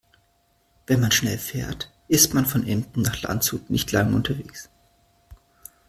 Wenn man schnell fährt, ist man von Emden nach Landshut nicht lange unterwegs